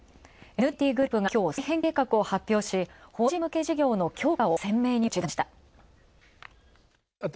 ＮＴＴグループがきょう再編計画を発表し、法人向け事業の強化を鮮明に打ち出しました。